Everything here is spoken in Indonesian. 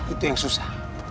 itu yang susah